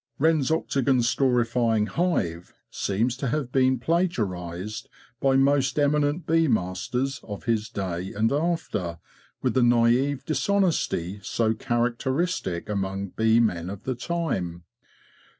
Wren's octagon storifying hive seems to have been plagiarised by most eminent bee masters of his day and after with the naive dishonesty so character istic among bee men of the time.